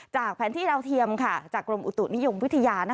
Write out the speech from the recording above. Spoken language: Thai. แผนที่ดาวเทียมจากกรมอุตุนิยมวิทยา